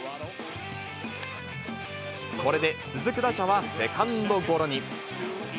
これで続く打者はセカンドゴロに。